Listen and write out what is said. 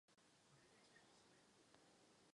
Toto místo nebylo vybráno náhodně.